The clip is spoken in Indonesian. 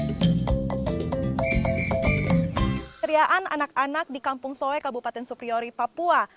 keceriaan anak anak di kampung soe kabupaten supiori papua